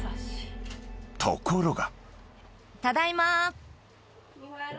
［ところが］